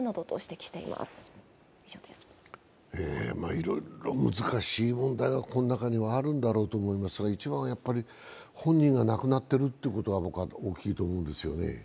いろいろ難しい問題がこの中にはあるんだろうと思いますが、一番は本人が亡くなってるということが僕は大きいと思うんですね。